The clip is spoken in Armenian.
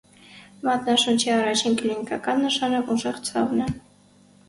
Մատնաշունչի առաջին կլինիկական նշանը ուժեղ ցավն է։